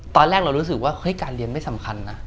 ตอนแรกเรารู้สึกว่าเฮ้ยการเรียนไม่สำคัญนะ